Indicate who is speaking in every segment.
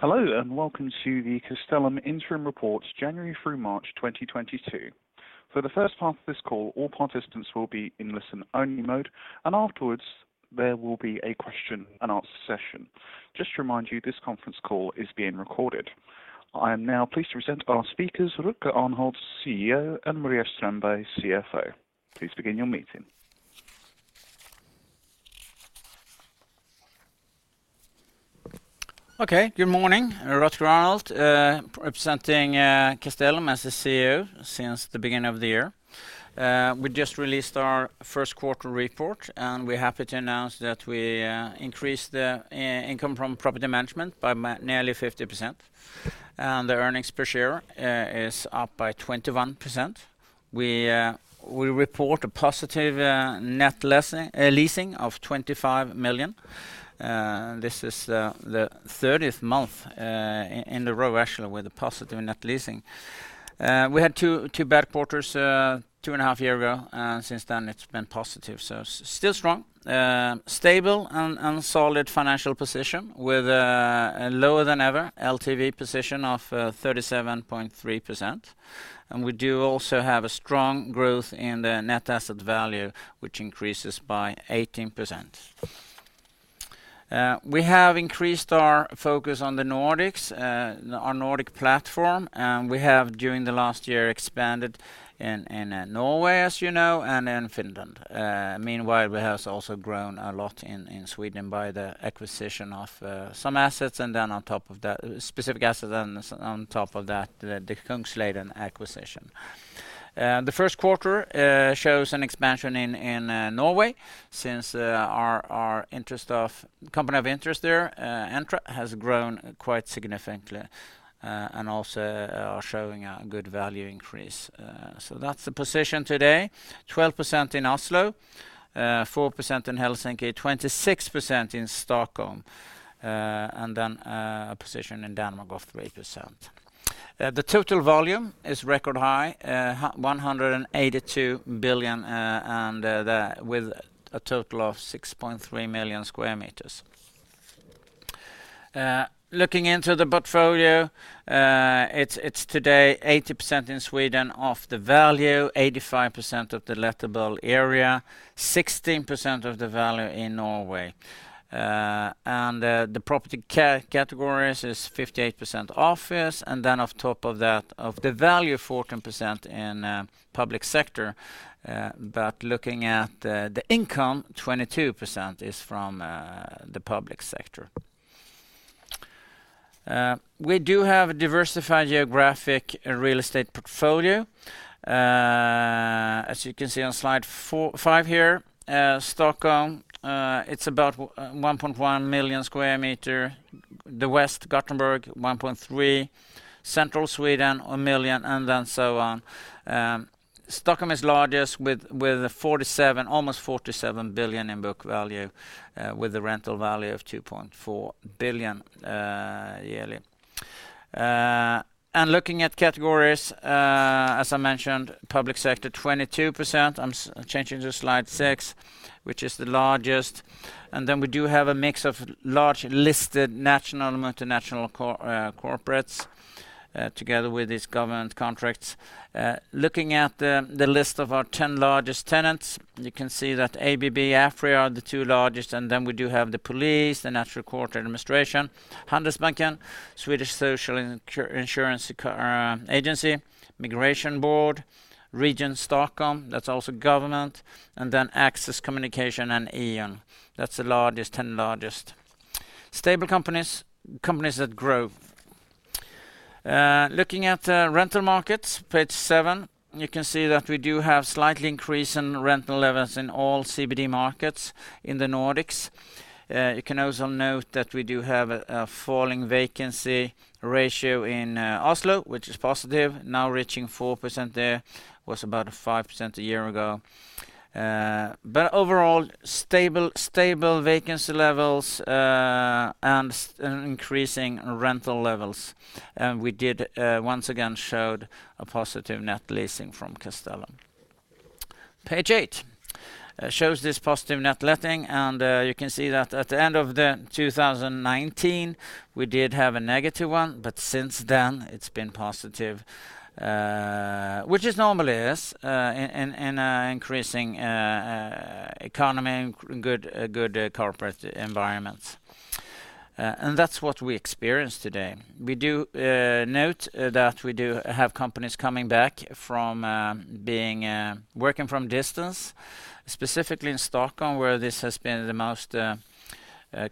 Speaker 1: Hello, and welcome to the Castellum Interim Report, January through March 2022. For the first part of this call, all participants will be in listen-only mode, and afterwards there will be a question and answer session. Just to remind you, this conference call is being recorded. I am now pleased to present our speakers, Rutger Arnhult, CEO, and Maria Strandberg, CFO. Please begin your meeting.
Speaker 2: Good morning. Rutger Arnhult, representing Castellum as the CEO since the beginning of the year. We just released our first quarter report, and we're happy to announce that we increased the income from property management by nearly 50%. The earnings per share is up by 21%. We report a positive net leasing of 25 million. This is the 30th month in a row actually with a positive net leasing. We had two bad quarters two and a half year ago, and since then it's been positive. Still strong. Stable and solid financial position with a lower-than-ever LTV position of 37.3%. We do also have a strong growth in the net asset value, which increases by 18%. We have increased our focus on the Nordics, our Nordic platform. We have, during the last year, expanded in Norway, as you know, and in Finland. Meanwhile, we have also grown a lot in Sweden by the acquisition of some assets, and then on top of that, specific assets, and on top of that, the Kungsleden acquisition. The first quarter shows an expansion in Norway since our company of interest there, Entra, has grown quite significantly, and also showing a good value increase. So that's the position today. 12% in Oslo, 4% in Helsinki, 26% in Stockholm, and then a position in Denmark of 3%. The total volume is record high, 182 billion, and with a total of 6.3 million sq m. Looking into the portfolio, it's today 80% in Sweden of the value, 85% of the lettable area, 16% of the value in Norway. The property categories is 58% office, and then on top of that, of the value, 14% in public sector. Looking at the income, 22% is from the public sector. We do have a diversified geographic real estate portfolio. As you can see on slide five here, Stockholm, it's about 1.1 million sq m. The west, Gothenburg, 1.3. Central Sweden, 1 million, and then so on. Stockholm is largest with almost 47 billion in book value, with a rental value of 2.4 billion yearly. Looking at categories, as I mentioned, public sector 22%. I'm changing to slide six, which is the largest. We do have a mix of large listed national, multinational corporates, together with these government contracts. Looking at the list of our 10 largest tenants, you can see that ABB, AFRY are the two largest, and then we do have the Police, the Natural Resources Administration, Handelsbanken, Swedish Social Insurance Agency, Migration Board, Region Stockholm, that's also government, and then Axis Communications and E.ON. That's the 10 largest. Stable companies that grow. Looking at rental markets, page seven, you can see that we do have a slight increase in rental levels in all CBD markets in the Nordics. You can also note that we do have a falling vacancy ratio in Oslo, which is positive, now reaching 4% there, which was about 5% a year ago. Overall, stable vacancy levels and increasing rental levels. We did once again show a positive net leasing from Castellum. Page eight shows this positive net letting. You can see that at the end of 2019, we did have a negative one, but since then, it's been positive, which it normally is in an increasing economy and good corporate environment. That's what we experience today. We do note that we do have companies coming back from being working from distance, specifically in Stockholm, where this has been the most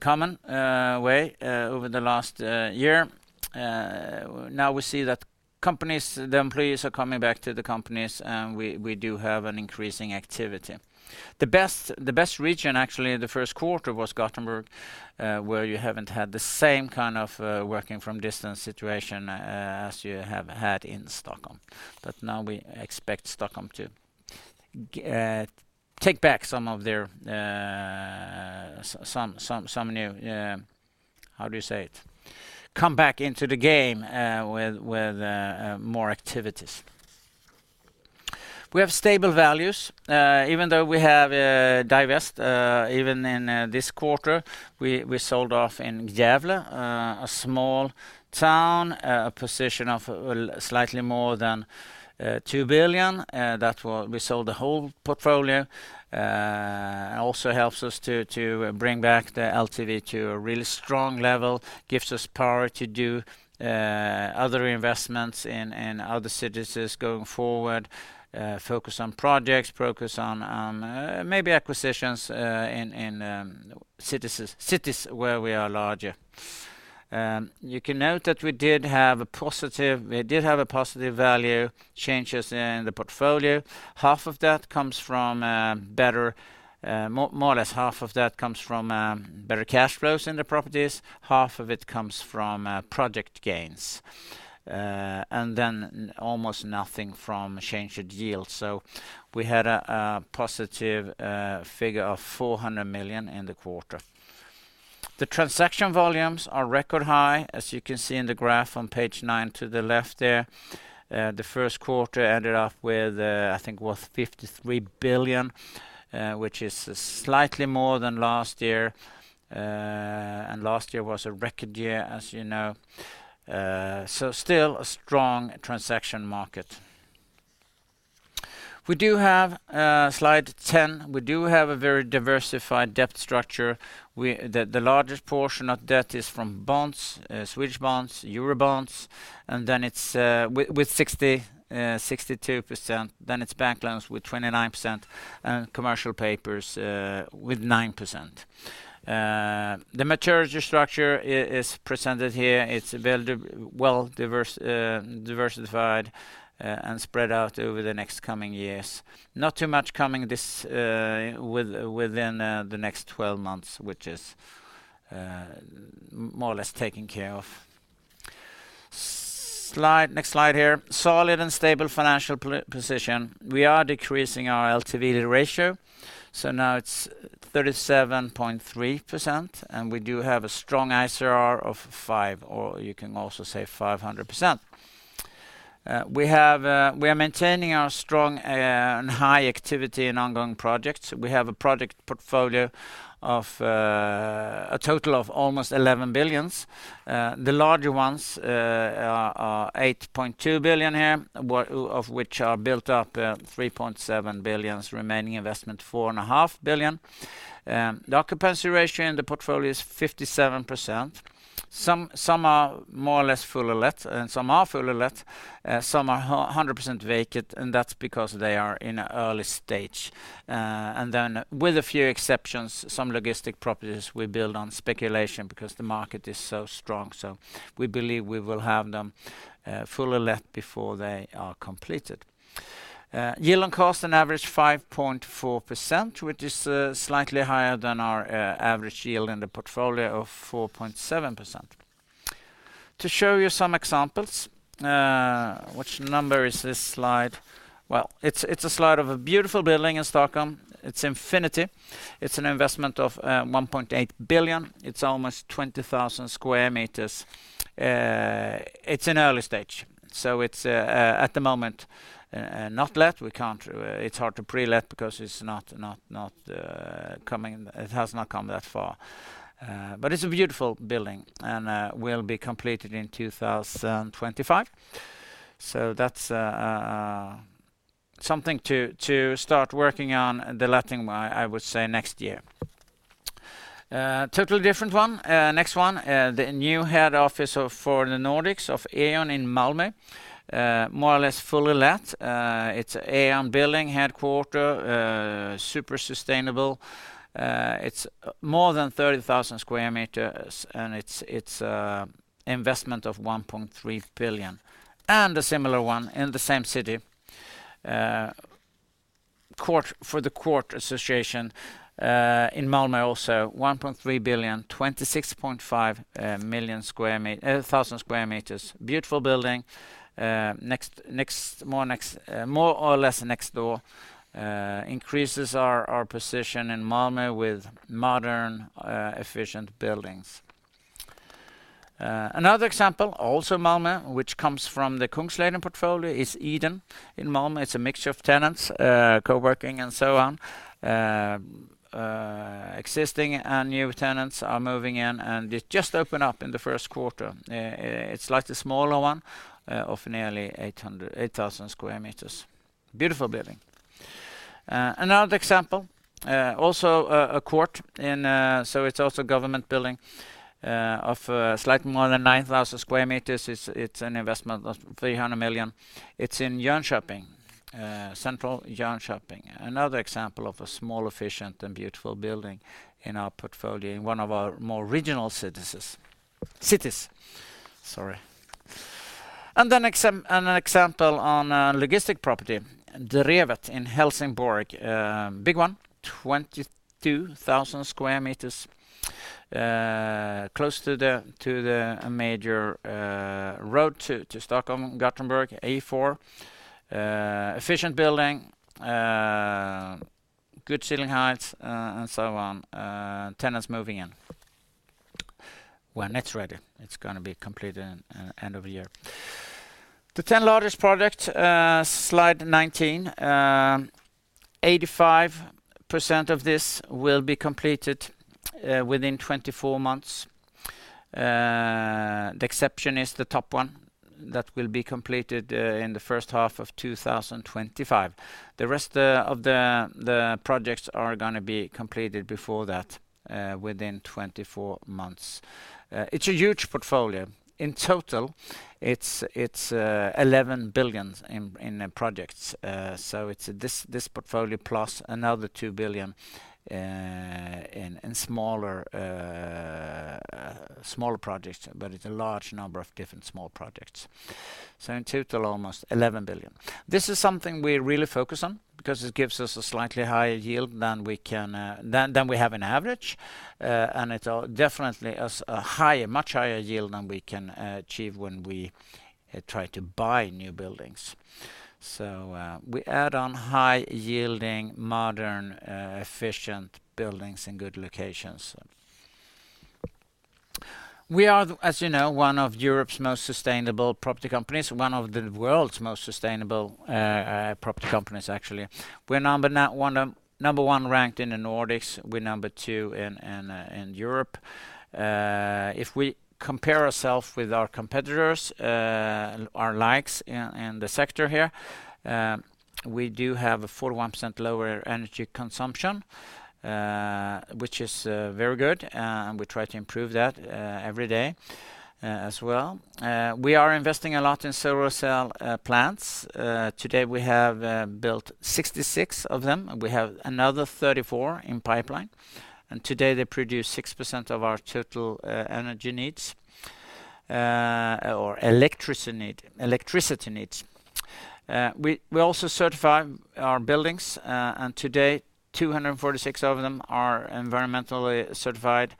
Speaker 2: common way over the last year. Now we see that companies, the employees are coming back to the companies, and we do have an increasing activity. The best region actually in the first quarter was Gothenburg, where you haven't had the same kind of working from distance situation as you have had in Stockholm. Now we expect Stockholm to take back some of their some new. How do you say it? Come back into the game with more activities. We have stable values, even though we have divested even in this quarter, we sold off in Gävle, a small town, a position of well slightly more than 2 billion, we sold the whole portfolio. It also helps us to bring back the LTV to a really strong level, gives us power to do other investments in other cities going forward, focus on projects, maybe acquisitions in cities where we are larger. You can note that we did have positive value changes in the portfolio. Half of that comes from better cash flows in the properties, half of it comes from project gains. Then almost nothing from change in yield. We had a positive figure of 400 million in the quarter. The transaction volumes are record-high, as you can see in the graph on page nine to the left there. The first quarter ended up with, I think it was 53 billion, which is slightly more than last year. Last year was a record year, as you know. Still a strong transaction market. We do have slide 10. We do have a very diversified debt structure. The largest portion of debt is from bonds, Swedish bonds, Euro bonds, and then it's with 62%, then it's bank loans with 29% and commercial papers with 9%. The maturity structure is presented here. It's well diversified and spread out over the next coming years. Not too much coming within the next twelve months, which is more or less taken care of. Next slide here. Solid and stable financial position. We are decreasing our LTV ratio, so now it's 37.3%, and we do have a strong ICR of five, or you can also say 500%. We are maintaining our strong and high activity in ongoing projects. We have a project portfolio of a total of almost 11 billion. The larger ones are 8.2 billion here, of which are built up 3.7 billion, remaining investment 4.5 billion. The occupancy ratio in the portfolio is 57%. Some are more or less fully let, and some are fully let, some are 100% vacant, and that's because they are in an early stage. With a few exceptions, some logistics properties we build on speculation because the market is so strong. We believe we will have them fully let before they are completed. Yield on cost an average 5.4%, which is slightly higher than our average yield in the portfolio of 4.7%. To show you some examples, which number is this slide? Well, it's a slide of a beautiful building in Stockholm. It's Infinity. It's an investment of 1.8 billion. It's almost 20,000 sq m. It's in early stage, so it's at the moment not let. It's hard to pre-let because it's not coming. It has not come that far. But it's a beautiful building and will be completed in 2025. That's something to start working on the letting, I would say, next year. Totally different one. Next one, the new head office for the Nordics of E.ON in Malmö, more or less fully let. It's E.ON building headquarters, super sustainable. It's more than 30,000 sq m, and it's an investment of 1.3 billion. A similar one in the same city, Domstolsverket in Malmö, also SEK 1.3 billion, 26,500 sq m. Beautiful building. Next, more or less next door, increases our position in Malmö with modern, efficient buildings. Another example, also Malmö, which comes from the Kungsleden portfolio, is Eden in Malmö. It's a mixture of tenants, coworking and so on. Existing and new tenants are moving in, and it just opened up in the first quarter. It's like the smaller one of nearly 8,000 sq m. Beautiful building. Another example, also a court in... It's also a government building of slightly more than 9,000 sq m. It's an investment of 300 million. It's in Jönköping, central Jönköping. Another example of a small, efficient, and beautiful building in our portfolio in one of our more regional cities. An example of a logistics property, Drevet in Helsingborg, big one, 22,000 sq m, close to the major road to Stockholm, Gothenburg, E4, efficient building, good ceiling heights, and so on, tenants moving in when it's ready. It's gonna be completed end of the year. The 10 largest projects, slide 19, 85% of this will be completed within 24 months. The exception is the top one that will be completed in the first half of 2025. The rest of the projects are gonna be completed before that within 24 months. It's a huge portfolio. In total, it's 11 billion in projects. So it's this portfolio plus another 2 billion in smaller projects, but it's a large number of different small projects. In total, almost 11 billion. This is something we really focus on because it gives us a slightly higher yield than we can than we have on average. And it's definitely is a higher, much higher yield than we can achieve when we try to buy new buildings. We add on high-yielding, modern efficient buildings in good locations. We are, as you know, one of Europe's most sustainable property companies, one of the world's most sustainable property companies actually. We're number one ranked in the Nordics. We're number two in Europe. If we compare ourselves with our competitors, our likes in the sector here, we do have a 41% lower energy consumption, which is very good, and we try to improve that every day, as well. We are investing a lot in solar cell plants. Today, we have built 66 of them, and we have another 34 in pipeline. Today, they produce 6% of our total energy needs or electricity needs. We also certify our buildings, and today, 246 of them are environmentally certified,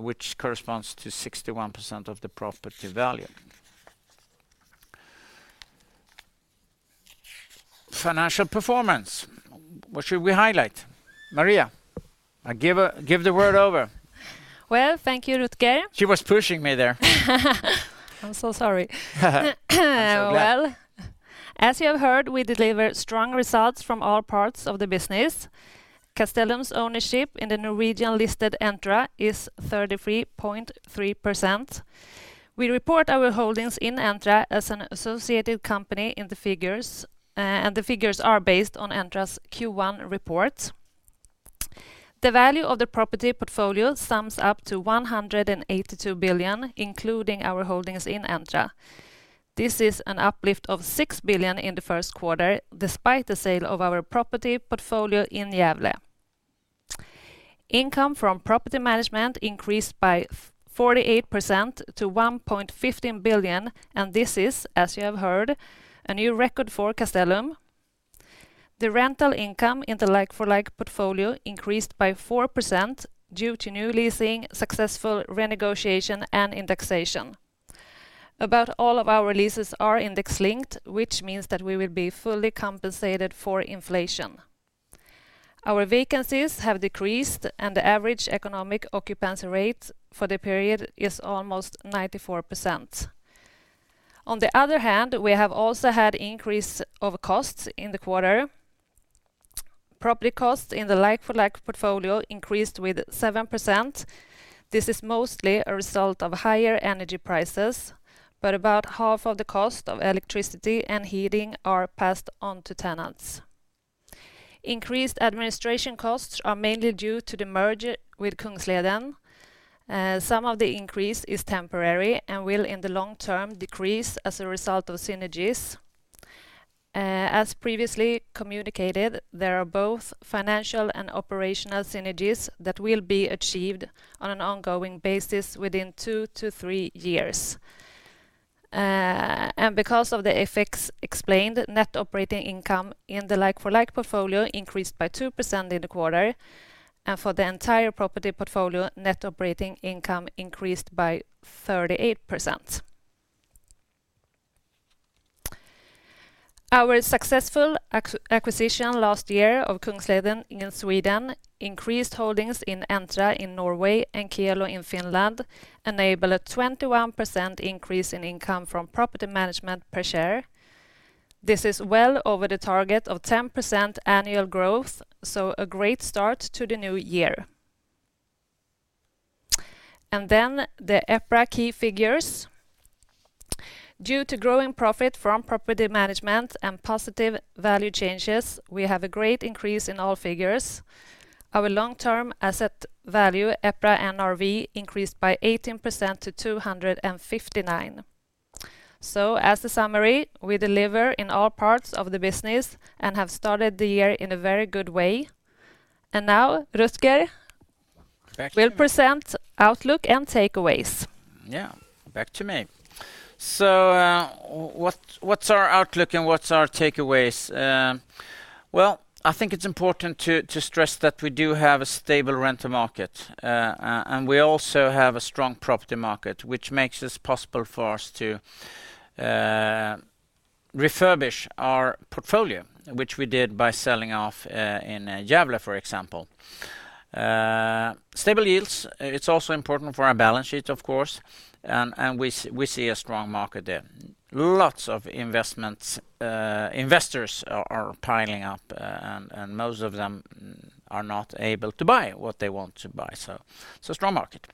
Speaker 2: which corresponds to 61% of the property value. Financial performance. What should we highlight? Maria, I give the word over.
Speaker 3: Well, thank you, Rutger.
Speaker 2: She was pushing me there.
Speaker 3: I'm so sorry.
Speaker 2: I'm so glad.
Speaker 3: Well, as you have heard, we deliver strong results from all parts of the business. Castellum's ownership in the Norwegian-listed Entra is 33.3%. We report our holdings in Entra as an associated company in the figures, and the figures are based on Entra's Q1 report. The value of the property portfolio sums up to 182 billion, including our holdings in Entra. This is an uplift of 6 billion in the first quarter, despite the sale of our property portfolio in Gävle. Income from property management increased by 48% to 1.15 billion, and this is, as you have heard, a new record for Castellum. The rental income in the like-for-like portfolio increased by 4% due to new leasing, successful renegotiation, and indexation. About all of our leases are index-linked, which means that we will be fully compensated for inflation. Our vacancies have decreased, and the average economic occupancy rate for the period is almost 94%. On the other hand, we have also had an increase in costs in the quarter. Property costs in the like-for-like portfolio increased by 7%. This is mostly a result of higher energy prices, but about half of the cost of electricity and heating are passed on to tenants. Increased administration costs are mainly due to the merger with Kungsleden. Some of the increase is temporary and will, in the long term, decrease as a result of synergies. As previously communicated, there are both financial and operational synergies that will be achieved on an ongoing basis within 2-3 years. Because of the effects explained, net operating income in the like-for-like portfolio increased by 2% in the quarter. For the entire property portfolio, net operating income increased by 38%. Our successful acquisition last year of Kungsleden in Sweden increased holdings in Entra in Norway and Kielo in Finland enable a 21% increase in income from property management per share. This is well over the target of 10% annual growth, so a great start to the new year. The EPRA key figures. Due to growing profit from property management and positive value changes, we have a great increase in all figures. Our long-term asset value, EPRA NRV, increased by 18% to 259. As a summary, we deliver in all parts of the business and have started the year in a very good way. Now Rutger-
Speaker 2: Back to me.
Speaker 3: will present outlook and takeaways.
Speaker 2: Yeah, back to me. What's our outlook and what's our takeaways? I think it's important to stress that we do have a stable rental market. We also have a strong property market, which makes this possible for us to refurbish our portfolio, which we did by selling off in Gävle, for example. Stable yields. It's also important for our balance sheet, of course, and we see a strong market there. Lots of investments, investors are piling up, and most of them are not able to buy what they want to buy. It's a strong market.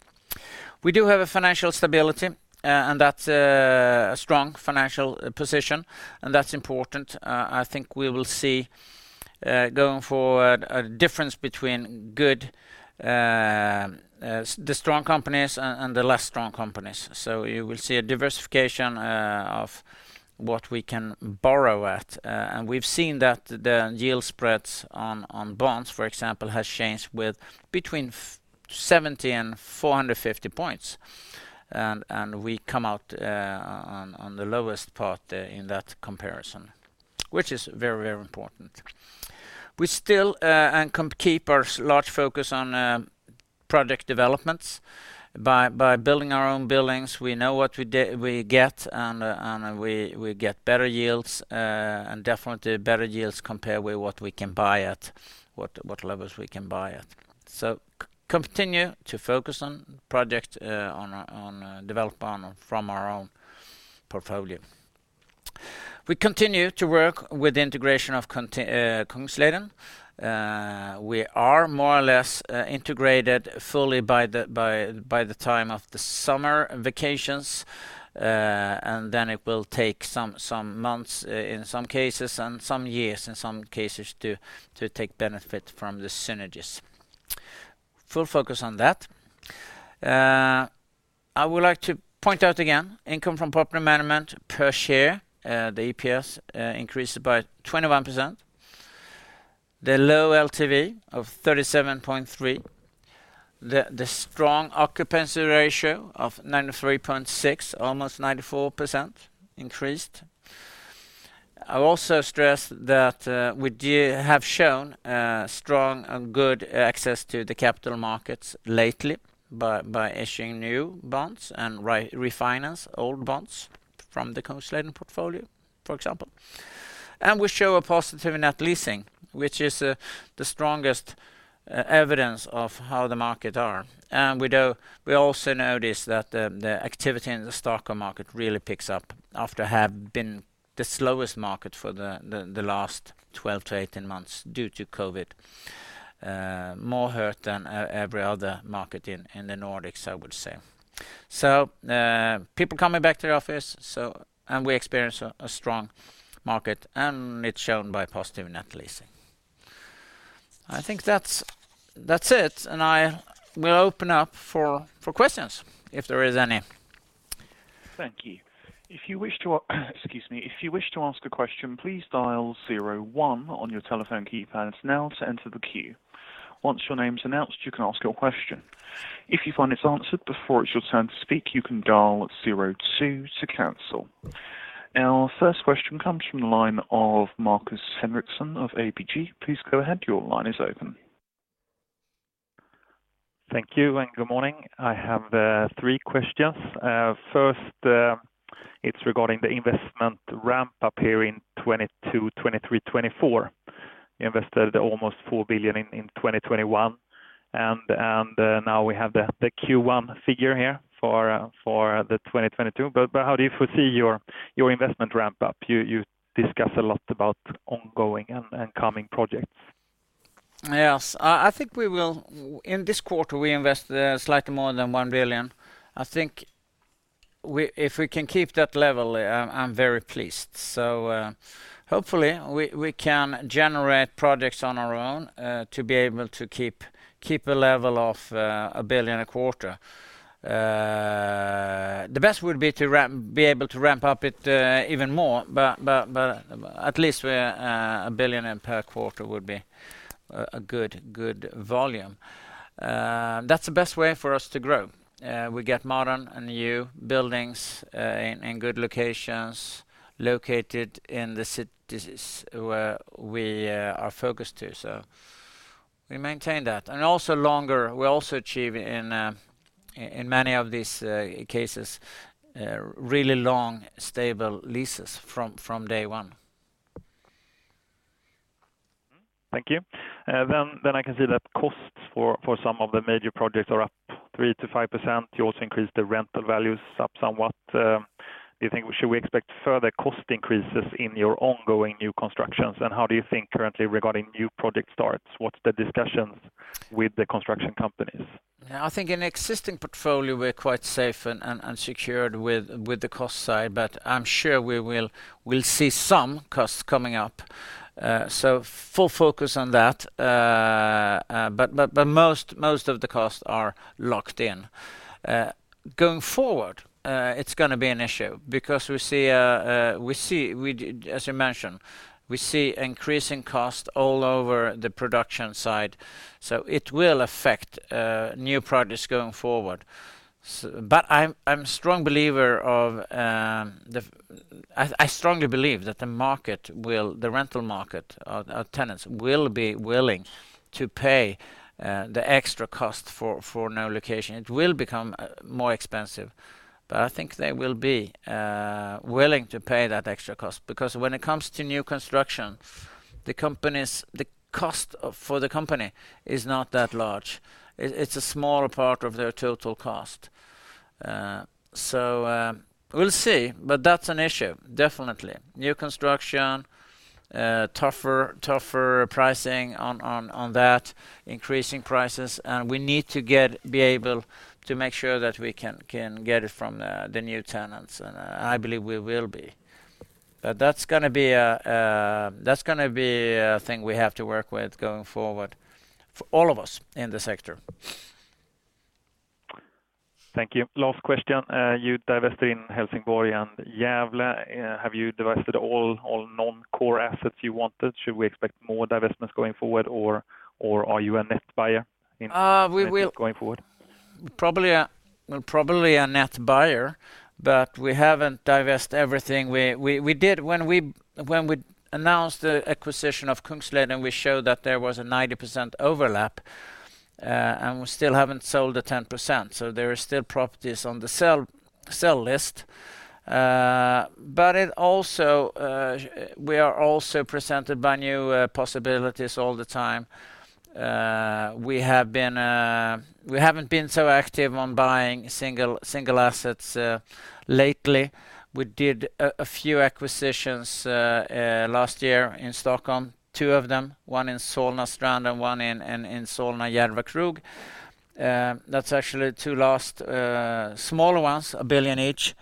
Speaker 2: We do have a financial stability, and that's a strong financial position, and that's important. I think we will see going forward a difference between the strong companies and the less strong companies. You will see a diversification of what we can borrow at. We've seen that the yield spreads on bonds, for example, has changed between 70 and 450 points. We come out on the lowest part in that comparison, which is very important. We still can keep our large focus on project developments. By building our own buildings, we know what we get, and we get better yields and definitely better yields compared with what we can buy at, what levels we can buy at. Continue to focus on our project development. from our own portfolio. We continue to work with the integration of Kungsleden. We are more or less integrated fully by the time of the summer vacations. It will take some months in some cases, and some years in some cases to take benefit from the synergies. Full focus on that. I would like to point out again, income from property management per share, the EPS, increased by 21%. The low LTV of 37.3. The strong occupancy rate of 93.6, almost 94% increased. I will also stress that we have shown strong and good access to the capital markets lately by issuing new bonds and refinance old bonds from the Kungsleden portfolio, for example. We show a positive net leasing, which is the strongest evidence of how the market are. We also notice that the activity in the Stockholm market really picks up after have been the slowest market for the last 12-18 months due to COVID. More hurt than every other market in the Nordics, I would say. People coming back to the office, and we experience a strong market, and it's shown by positive net leasing. I think that's it, and I will open up for questions if there is any.
Speaker 1: Thank you. If you wish to ask a question, please dial zero one on your telephone keypads now to enter the queue. Once your name's announced, you can ask your question. If you find it's answered before it's your turn to speak, you can dial zero two to cancel. Our first question comes from the line of Markus Henriksson of ABG. Please go ahead. Your line is open.
Speaker 4: Thank you, and good morning. I have three questions. First, it's regarding the investment ramp up here in 2022, 2023, 2024. You invested almost 4 billion in 2021, and now we have the Q1 figure here for 2022. How do you foresee your investment ramp up? You discuss a lot about ongoing and coming projects.
Speaker 2: Yes. I think we will. In this quarter, we invest slightly more than 1 billion. I think if we can keep that level, I'm very pleased. Hopefully, we can generate projects on our own to be able to keep a level of 1 billion a quarter. The best would be to be able to ramp up it even more. But at least we're SEK 1 billion per quarter would be a good volume. That's the best way for us to grow. We get modern and new buildings in good locations located in the cities where we are focused to. We maintain that. Also longer, we also achieve in many of these cases really long, stable leases from day one.
Speaker 4: Thank you. Then I can see that costs for some of the major projects are up 3%-5%. You also increased the rental values up somewhat. Do you think we should expect further cost increases in your ongoing new constructions? How do you think currently regarding new project starts? What's the discussions with the construction companies?
Speaker 2: Yeah. I think in existing portfolio, we're quite safe and secured with the cost side, but I'm sure we will see some costs coming up. Full focus on that. Most of the costs are locked in. Going forward, it's gonna be an issue because, as you mentioned, we see increasing cost all over the production side. It will affect new projects going forward. I'm strong believer of the. I strongly believe that the market will the rental market, tenants will be willing to pay the extra cost for no location. It will become more expensive, but I think they will be willing to pay that extra cost because when it comes to new construction, the cost for the company is not that large. It's a smaller part of their total cost. We'll see, but that's an issue, definitely. New construction, tougher pricing on that, increasing prices, and we need to be able to make sure that we can get it from the new tenants, and I believe we will be. But that's gonna be a thing we have to work with going forward for all of us in the sector.
Speaker 4: Thank you. Last question. You divested in Helsingborg and Gävle. Have you divested all non-core assets you wanted? Should we expect more divestments going forward, or are you a net buyer in-
Speaker 2: Uh, we will-
Speaker 4: going forward?
Speaker 2: Probably a net buyer, but we haven't divest everything. We did. When we announced the acquisition of Kungsleden, we showed that there was a 90% overlap, and we still haven't sold the 10%, so there are still properties on the sell list. But it also, we are also presented with new possibilities all the time. We have been. We haven't been so active on buying single assets lately. We did a few acquisitions last year in Stockholm. Two of them, one in Solna Strand and one in Solna Järva Krog. That's actually two last smaller ones, SEK 1 billion each.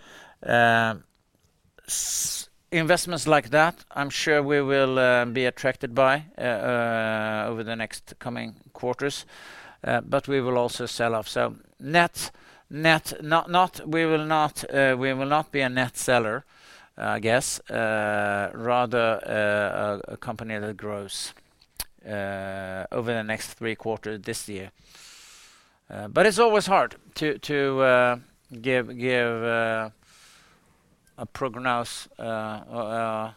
Speaker 2: Investments like that, I'm sure we will be attracted by over the next coming quarters, but we will also sell off. Net. Not. We will not be a net seller, I guess. Rather, a company that grows over the next three quarters this year. But it's always hard to give a prognosis here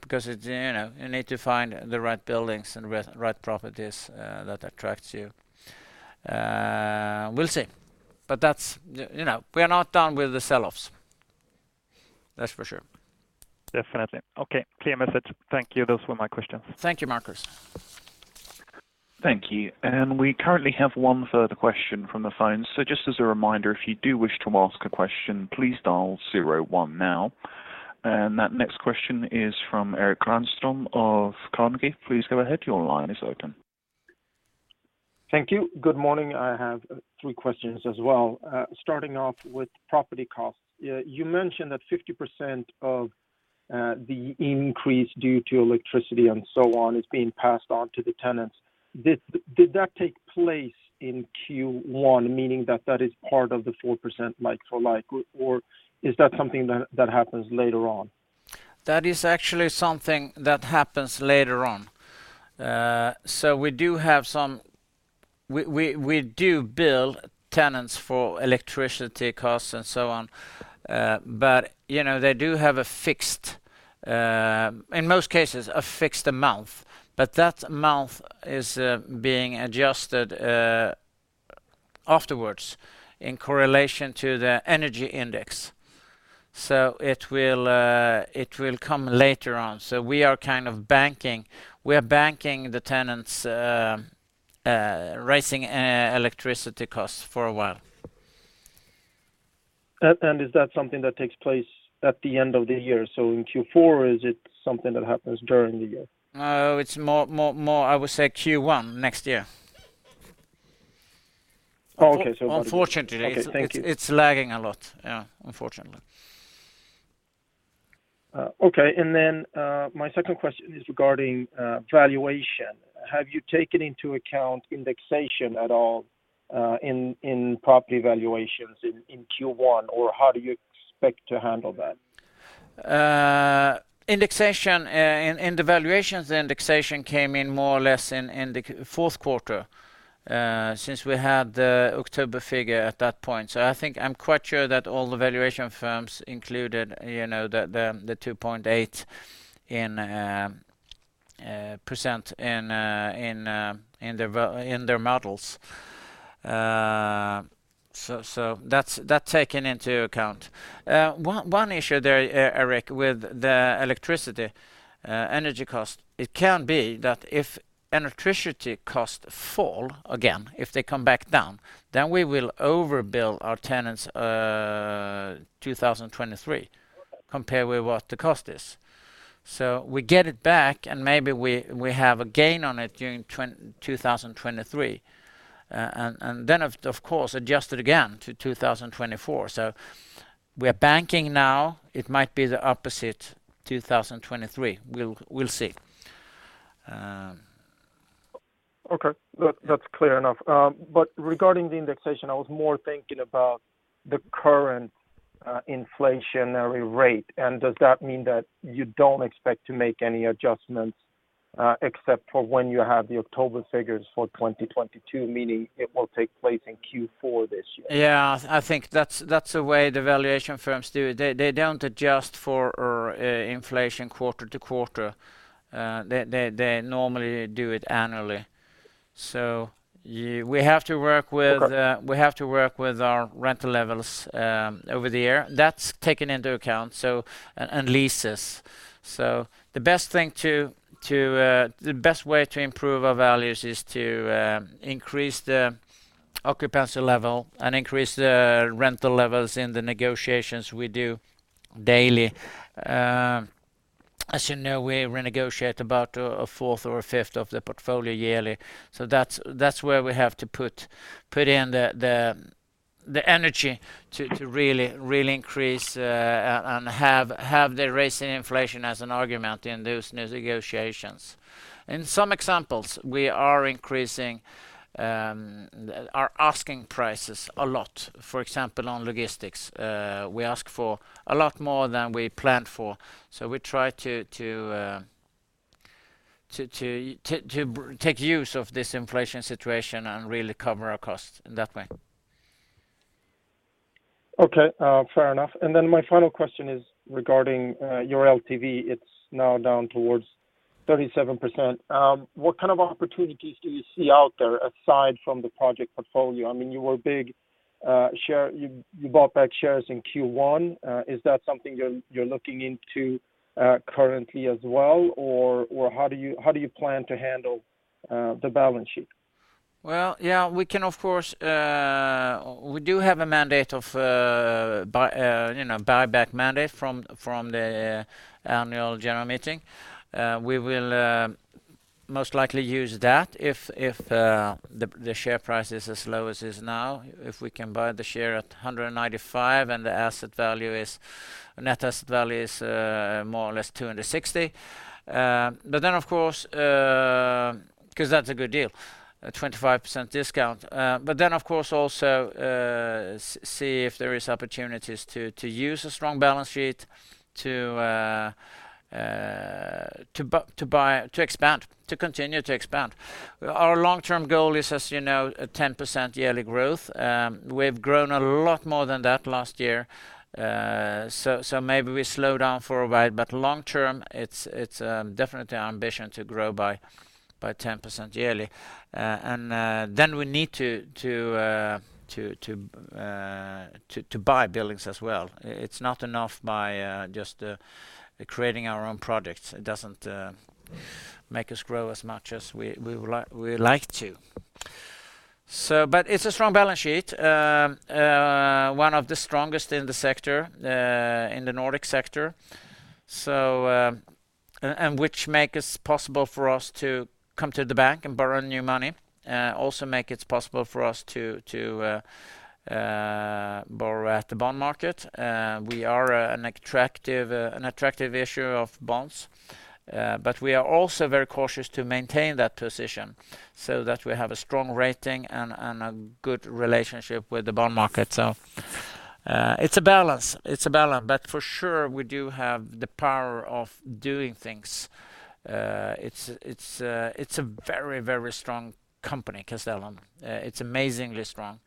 Speaker 2: because, you know, you need to find the right buildings and right properties that attracts you. We'll see. That's, you know. We are not done with the sell-offs. That's for sure.
Speaker 4: Definitely. Okay. Clear message. Thank you. Those were my questions.
Speaker 2: Thank you, Markus.
Speaker 1: Thank you. We currently have one further question from the phone. Just as a reminder, if you do wish to ask a question, please dial zero one now. That next question is from Erik Granström of Carnegie. Please go ahead. Your line is open.
Speaker 5: Thank you. Good morning. I have three questions as well. Starting off with property costs. You mentioned that 50% of the increase due to electricity and so on is being passed on to the tenants. Did that take place in Q1, meaning that is part of the 4% like-for-like, or is that something that happens later on?
Speaker 2: That is actually something that happens later on. We do bill tenants for electricity costs and so on, but you know, they do have a fixed, in most cases, a fixed amount, but that amount is being adjusted afterwards in correlation to the energy index. It will come later on. We are kind of banking the tenants' rising electricity costs for a while.
Speaker 5: Is that something that takes place at the end of the year, so in Q4? Or is it something that happens during the year?
Speaker 2: No, it's more, I would say, Q1 next year.
Speaker 5: Oh, okay. About a year.
Speaker 2: Unfortunately.
Speaker 5: Okay. Thank you.
Speaker 2: It's lagging a lot. Yeah. Unfortunately.
Speaker 5: My second question is regarding valuation. Have you taken into account indexation at all, in property valuations in Q1, or how do you expect to handle that?
Speaker 2: Indexation in the valuations came in more or less in the fourth quarter since we had the October figure at that point. I think I'm quite sure that all the valuation firms included you know the 2.8% in their models. That's taken into account. One issue there Erik with the electricity energy costs. It can be that if electricity costs fall again if they come back down then we will overbill our tenants in 2023 compared with what the cost is. We get it back and maybe we have a gain on it during 2023. Then of course adjust it again in 2024. We're banking now. It might be the opposite 2023. We'll see.
Speaker 5: Okay. That's clear enough. Regarding the indexation, I was more thinking about the current inflationary rate, and does that mean that you don't expect to make any adjustments, except for when you have the October figures for 2022, meaning it will take place in Q4 this year?
Speaker 2: Yeah. I think that's the way the valuation firms do it. They don't adjust for inflation quarter to quarter. They normally do it annually. We have to work with-
Speaker 5: Okay
Speaker 2: We have to work with our rental levels over the year. That's taken into account and leases. The best way to improve our values is to increase the occupancy level and increase the rental levels in the negotiations we do daily. As you know, we renegotiate about a fourth or a fifth of the portfolio yearly. That's where we have to put in the energy to really increase and have the recent inflation as an argument in those new negotiations. In some examples, we are increasing our asking prices a lot. For example, on logistics, we ask for a lot more than we planned for. We try to make use of this inflation situation and really cover our costs in that way.
Speaker 5: Okay. Fair enough. My final question is regarding your LTV. It's now down towards 37%. What kind of opportunities do you see out there aside from the project portfolio? I mean, you bought back shares in Q1. Is that something you're looking into currently as well? How do you plan to handle the balance sheet?
Speaker 2: Well, yeah, we can, of course. We do have a buyback mandate from the annual general meeting. We will most likely use that if the share price is as low as is now. If we can buy the share at 195, and the net asset value is more or less 260. Then, of course, 'cause that's a good deal, a 25% discount. Then, of course, also, see if there is opportunities to use a strong balance sheet to expand, to continue to expand. Our long-term goal is, as you know, a 10% yearly growth. We've grown a lot more than that last year. So maybe we slow down for a while, but long term, it's definitely our ambition to grow by 10% yearly. Then we need to buy buildings as well. It's not enough by just creating our own products. It doesn't make us grow as much as we would like to. But it's a strong balance sheet, one of the strongest in the sector in the Nordic sector, which makes it possible for us to come to the bank and borrow new money, also makes it possible for us to borrow at the bond market. We are an attractive issuer of bonds. We are also very cautious to maintain that position so that we have a strong rating and a good relationship with the bond market. It's a balance. For sure, we do have the power of doing things. It's a very strong company, Castellum. It's amazingly strong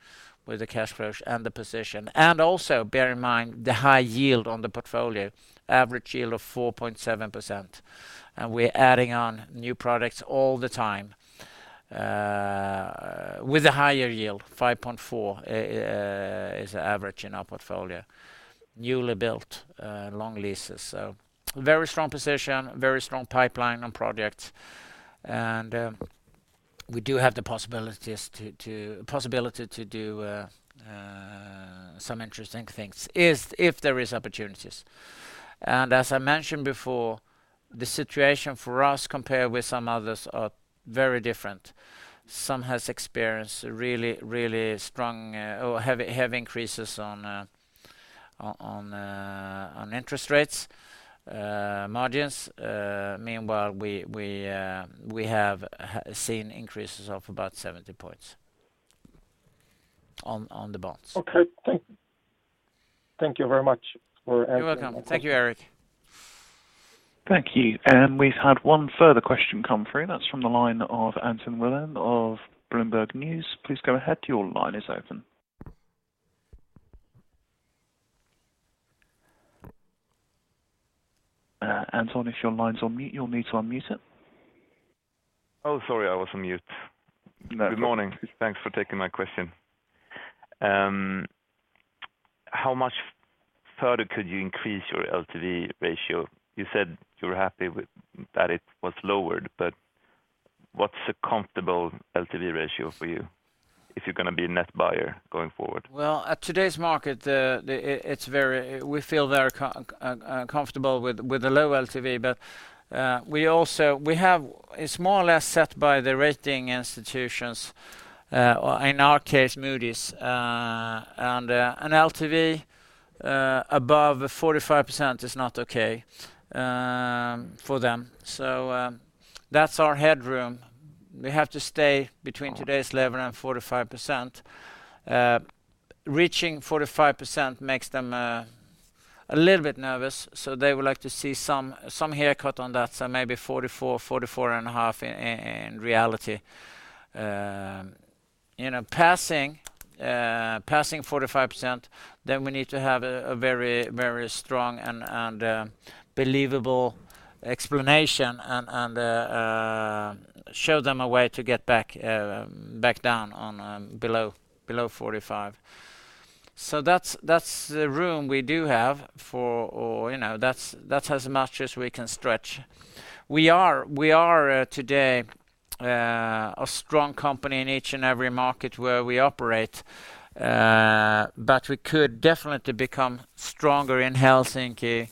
Speaker 2: with the cash flow and the position. Also, bear in mind the high yield on the portfolio, average yield of 4.7%. We're adding on new products all the time with a higher yield, 5.4 is the average in our portfolio. Newly built long leases. Very strong position, very strong pipeline on projects. We do have the possibilities to do some interesting things if there is opportunities. As I mentioned before, the situation for us compared with some others are very different. Some has experienced really, really strong or have increases on interest rate margins. Meanwhile, we have seen increases of about 70 points on the bonds.
Speaker 5: Okay. Thank you very much for answering.
Speaker 2: You're welcome. Thank you, Erik.
Speaker 1: Thank you. We've had one further question come through. That's from the line of Anton Wilen of Bloomberg News. Please go ahead. Your line is open. Anton, if your line's on mute, you'll need to unmute it.
Speaker 6: Oh, sorry, I was on mute.
Speaker 1: No.
Speaker 6: Good morning. Thanks for taking my question. How much further could you increase your LTV ratio? You said you were happy with that it was lowered, but what's a comfortable LTV ratio for you if you're gonna be a net buyer going forward?
Speaker 2: Well, at today's market, we feel very comfortable with the low LTV. It's more or less set by the rating institutions, or in our case, Moody's, and an LTV above 45% is not okay for them. That's our headroom. We have to stay between today's level and 45%. Reaching 45% makes them a little bit nervous, so they would like to see some haircut on that, so maybe 44%-44.5% in reality. You know, passing 45%, then we need to have a very strong and believable explanation and show them a way to get back down to below 45%. You know, that's as much as we can stretch. We are today a strong company in each and every market where we operate. But we could definitely become stronger in Helsinki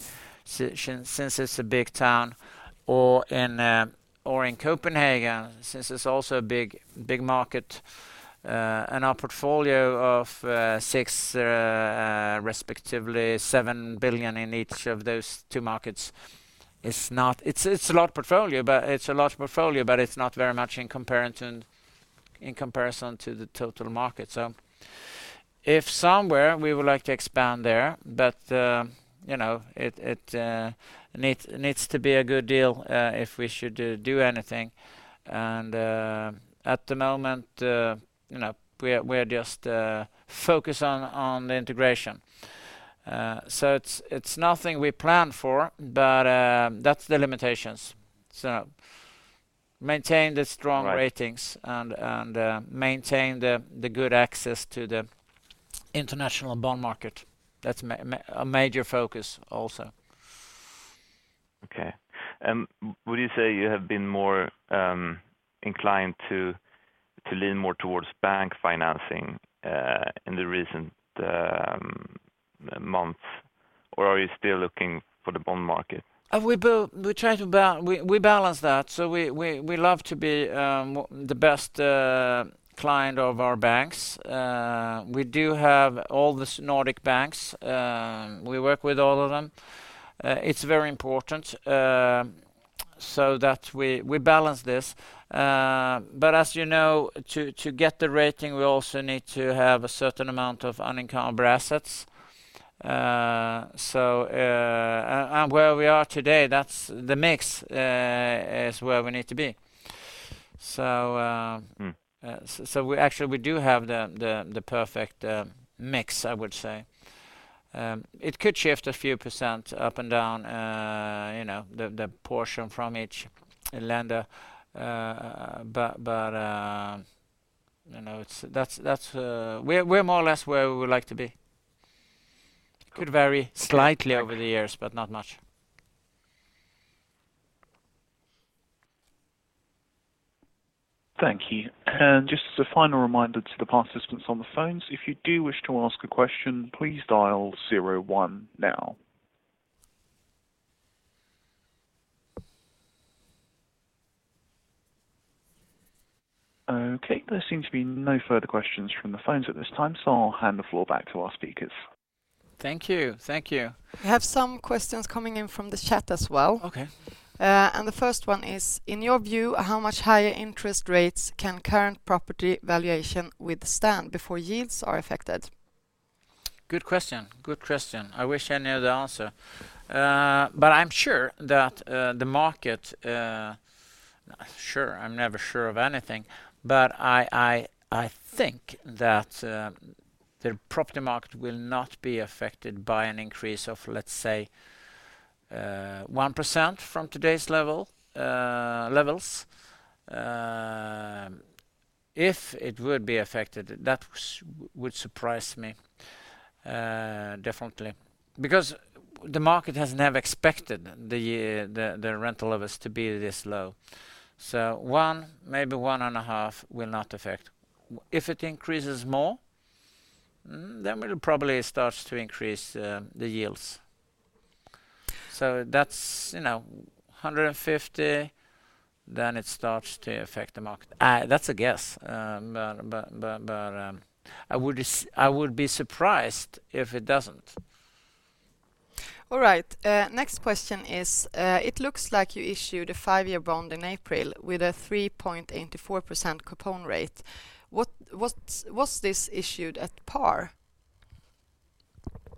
Speaker 2: since it's a big town or in Copenhagen since it's also a big market. Our portfolio of 6 billion, respectively 7 billion in each of those two markets is not very much in comparison to the total market. It's a lot of portfolio, but it's a large portfolio. If somewhere we would like to expand there, but you know, it needs to be a good deal if we should do anything. At the moment, you know, we are just focused on the integration. It's nothing we plan for, but that's the limitations. Maintain the strong-
Speaker 6: Right
Speaker 2: Ratings and maintain the good access to the international bond market. That's a major focus also.
Speaker 6: Okay. Would you say you have been more inclined to lean more towards bank financing in the recent months, or are you still looking for the bond market?
Speaker 2: We try to balance that, so we love to be the best client of our banks. We do have all the Nordic banks. We work with all of them. It's very important so that we balance this. As you know, to get the rating, we also need to have a certain amount of unencumbered assets, and where we are today, that's the mix is where we need to be.
Speaker 6: Hmm
Speaker 2: We actually do have the perfect mix, I would say. It could shift a few percent up and down, you know, the portion from each lender. You know, it's that. We're more or less where we would like to be. It could vary slightly over the years, but not much.
Speaker 1: Thank you. Just as a final reminder to the participants on the phones, if you do wish to ask a question, please dial 01 now. Okay. There seem to be no further questions from the phones at this time, so I'll hand the floor back to our speakers.
Speaker 2: Thank you. Thank you.
Speaker 7: We have some questions coming in from the chat as well.
Speaker 2: Okay.
Speaker 7: The first one is, in your view, how much higher interest rates can current property valuation withstand before yields are affected?
Speaker 2: Good question. I wish I knew the answer. But I'm sure that the market sure. I'm never sure of anything, but I think that the property market will not be affected by an increase of, let's say, 1% from today's levels. If it would be affected, that would surprise me, definitely. Because the market has never expected the rental levels to be this low. So one, maybe 1.5 will not affect. If it increases more, then we'll probably starts to increase the yields. So that's, you know, 150, then it starts to affect the market. That's a guess, but I would be surprised if it doesn't.
Speaker 7: All right. Next question is, it looks like you issued a five-year bond in April with a 3.84% coupon rate. What was this issued at par?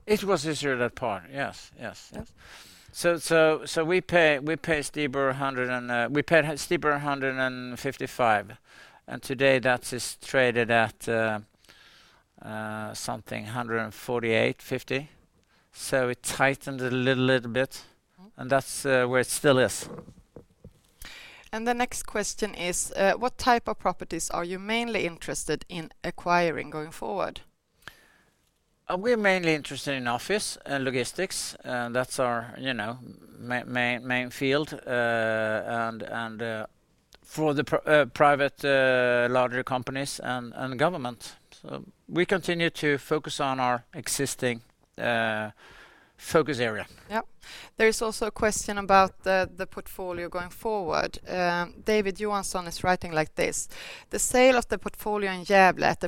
Speaker 2: It was issued at par. Yes. We paid steeper a 155, and today that is traded at something 148.50. It tightened a little bit.
Speaker 7: Oh.
Speaker 2: That's where it still is.
Speaker 7: The next question is, what type of properties are you mainly interested in acquiring going forward?
Speaker 2: We're mainly interested in office and logistics. That's our, you know, main field, and for the private larger companies and government. We continue to focus on our existing focus area.
Speaker 7: Yeah. There is also a question about the portfolio going forward. David Johansson is writing like this: "The sale of the portfolio in Gävle at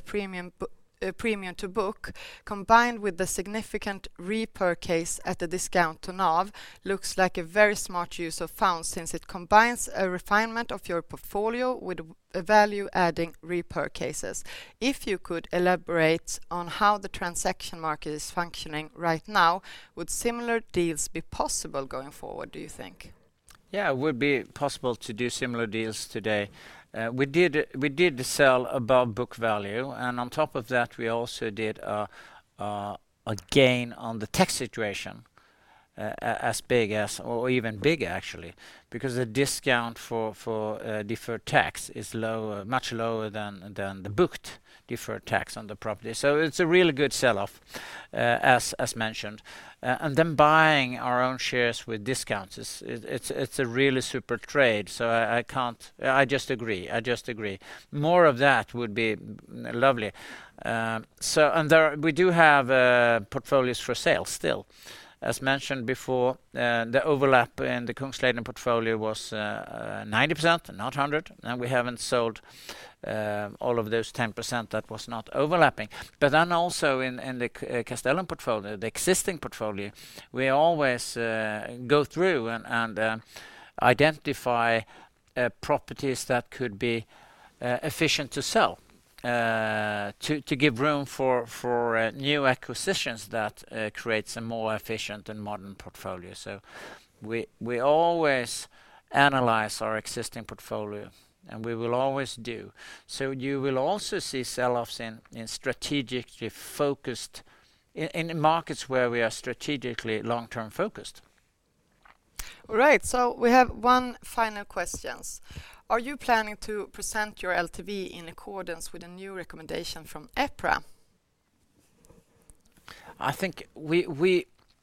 Speaker 7: a premium to book, combined with the significant repurchase at a discount to NAV, looks like a very smart use of funds since it combines a refinement of your portfolio with a value-adding repurchases. If you could elaborate on how the transaction market is functioning right now, would similar deals be possible going forward, do you think?
Speaker 2: Yeah. It would be possible to do similar deals today. We did sell above book value, and on top of that, we also did a gain on the tax situation as big as or even bigger actually because the discount for deferred tax is lower, much lower than the booked deferred tax on the property. It's a really good sell-off, as mentioned. Buying our own shares with discounts is a really super trade, so I can't. I just agree. More of that would be lovely. There we do have portfolios for sale still. As mentioned before, the overlap in the Kungsleden portfolio was 90%, not 100%, and we haven't sold all of those 10% that was not overlapping. Also in the Kungsleden-Castellum portfolio, the existing portfolio, we always go through and identify properties that could be efficient to sell, to give room for new acquisitions that creates a more efficient and modern portfolio. We always analyze our existing portfolio, and we will always do. You will also see sell-offs in strategically focused markets where we are strategically long-term focused.
Speaker 7: All right. We have one final questions. "Are you planning to present your LTV in accordance with the new recommendation from EPRA?
Speaker 2: I think we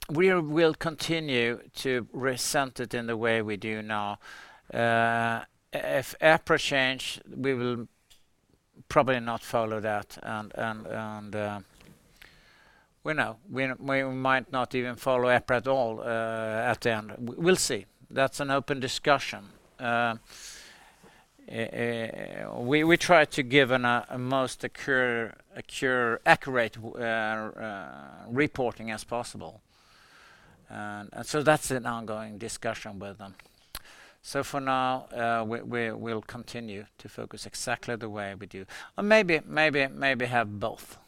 Speaker 2: will continue to present it in the way we do now. If EPRA change, we will probably not follow that. We know. We might not even follow EPRA at all at the end. We'll see. That's an open discussion. We try to give a most accurate reporting as possible. That's an ongoing discussion with them. We'll continue to focus exactly the way we do. Or maybe have both,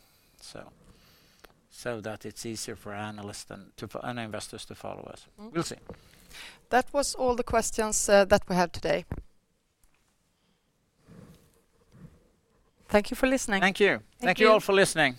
Speaker 2: so that it's easier for analysts and investors to follow us. We'll see.
Speaker 7: That was all the questions that we have today. Thank you for listening.
Speaker 2: Thank you.
Speaker 7: Thank you.
Speaker 2: Thank you all for listening.